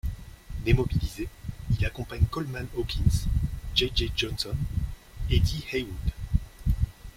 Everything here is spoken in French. Démobilisé, il accompagne Coleman Hawkins, Jay Jay Johnson, Eddie Heywood.